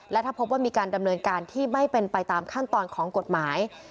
และถ้าพบว่ามีการดำเนินการที่ไม่เป็นไปตามขั้นตอนของกฎหมาย